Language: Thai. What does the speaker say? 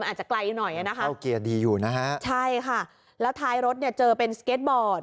มันอาจจะไกลหน่อยนะคะใช่ค่ะแล้วท้ายรถเนี่ยเจอเป็นสเก็ตบอร์ด